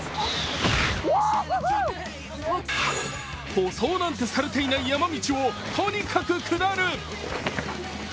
舗装なんてされてない山道をとにかく下る！